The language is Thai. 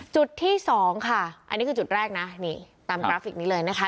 จุดที่สองค่ะอันนี้คือจุดแรกนะนี่ตามกราฟิกนี้เลยนะคะ